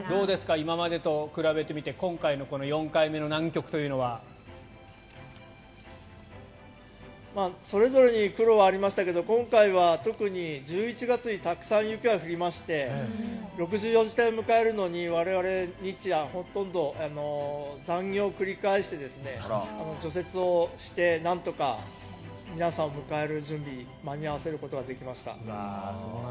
今までと比べてみて今回の４回目の南極というのは。それぞれに苦労はありましたけど今回は特に１１月にたくさん雪が降りまして６４次隊を迎えるのに我々、日夜ほとんど残業を繰り返して除雪をしてなんとか皆さんを迎える準備に間に合わせることができました。